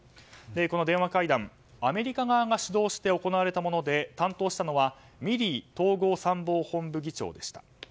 この電話会談、アメリカ側が主導して行われたもので担当したのはミリー統合参謀本部議長でした。